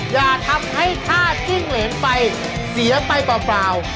อย่าทำให้พลาดจิ้งเหลนไปเสียไปป่าว